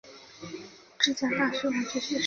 之江大学文学学士。